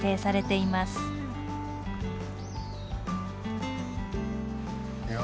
いや。